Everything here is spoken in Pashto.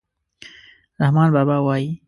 رحمان بابا وایي: